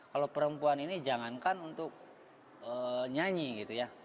kalau perempuan ini jangankan untuk nyanyi gitu ya